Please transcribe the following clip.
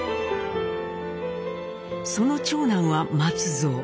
その長男は松蔵。